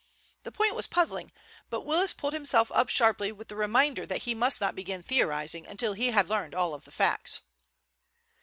The point was puzzling, but Willis pulled himself up sharply with the reminder that he must not begin theorizing until he had learned all the facts.